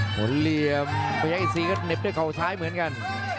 หมดเหลี่ยมพยักอีซีก็เน็บด้วยก่อซ้ายเหมือนกัน